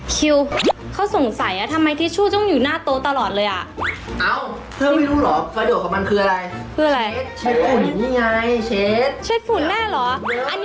คิวเขาสงสัยทำไมทิชชู่ต้องอยู่หน้าโต๊ะตลอดเลยอ่ะ